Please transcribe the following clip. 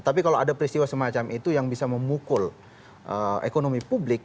tapi kalau ada peristiwa semacam itu yang bisa memukul ekonomi publik